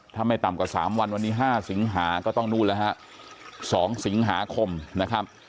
ถ้าไม่ต่ำกว่า๓วันวันนี้๕สิงหาก็ต้องนู่นแล้วฮะ๒สิงหาคมนะครับ